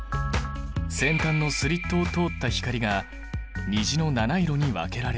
先端のスリットを通った光が虹の七色に分けられる。